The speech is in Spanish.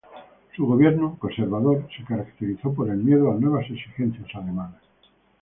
Su Gobierno, conservador, se caracterizó por el miedo a nuevas exigencias alemanas.